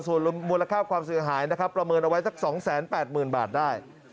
ส่วนมูลค่าความเสียหายนะครับประเมินเอาไว้สัก๒๘๐๐๐บาทได้